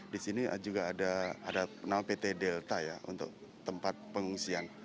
di sini juga ada nama pt delta ya untuk tempat pengungsian